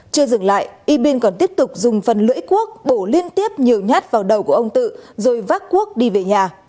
chưa dừng lại yibin còn tiếp tục dùng phần lưỡi cuốc bổ liên tiếp nhiều nhát vào đầu của ông tự rồi vác cuốc đi về nhà